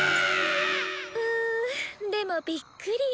うんでもびっくり。